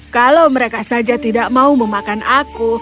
kalau mereka tidak akan memakan aku